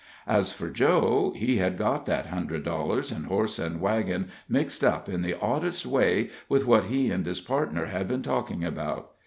As for Joe, he had got that hundred dollars and horse and wagon mixed up in the oddest way with what he and his partner had been talking about.